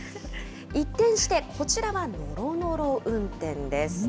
一転して、こちらはのろのろ運転です。